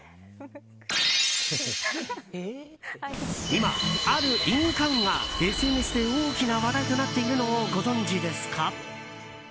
今、ある印鑑がＳＮＳで大きな話題となっているのをご存じですか？